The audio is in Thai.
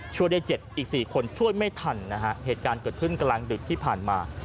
ช่วยได้๗อีก๔คนช่วยไม่ทันนะฮะเหตุการณ์เกิดขึ้นกลางดึกที่ผ่านมา